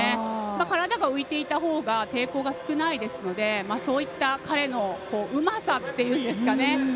体が浮いていたほうが抵抗が少ないですのでそういった彼のうまさというんですかね。